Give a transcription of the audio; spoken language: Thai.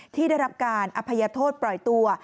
ที่ได้รับการอภัยโทษปล่อยตัว